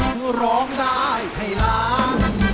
คือร้องได้ให้ล้าน